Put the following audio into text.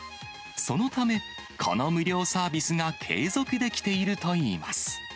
そのため、この無料サービスが継続できているといいます。